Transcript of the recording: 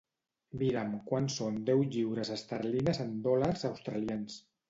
Mira'm quant són deu lliures esterlines en dòlars australians.